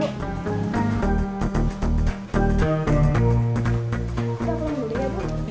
udah pulang dulu ya bu